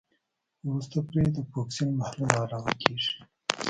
وروسته پرې د فوکسین محلول علاوه کیږي.